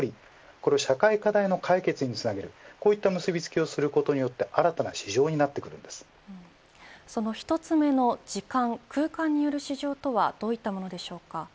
これを社会課題の解決につなげるこういった結び付きをすることによってその１つ目の時間、空間による市場とはどういったものでしょうか。